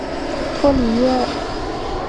托里耶尔。